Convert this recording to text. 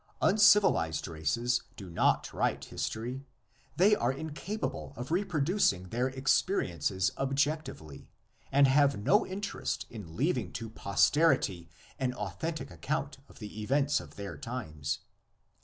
Uncivilised races do not write history; they are incapable of reproducing their experiences objec tively, and have no interest in leaving to posterity an authentic account of the events of their times.